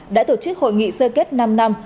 đã tổ chức hội nghị sơ kết năm năm